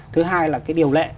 thứ hai là cái điều lệ